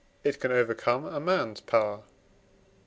it can overcome a man's power, &e.